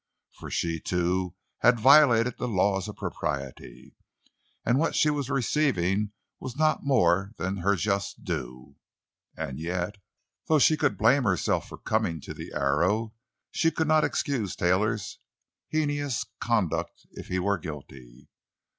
For she, too, had violated the laws of propriety; and what she was receiving was not more than her just due. And yet, though she could blame herself for coming to the Arrow, she could not excuse Taylor's heinous conduct if he were guilty.